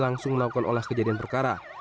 langsung melakukan olah kejadian perkara